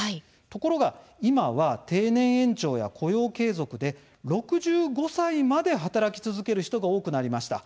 ところが、今は定年延長や雇用継続で６５歳まで働き続ける人が多くなりました。